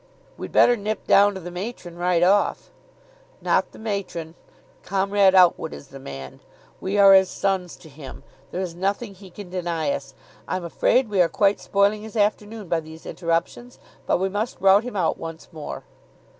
"We'd better nip down to the matron right off." "Not the matron Comrade Outwood is the man. We are as sons to him; there is nothing he can deny us. I'm afraid we are quite spoiling his afternoon by these interruptions, but we must rout him out once more."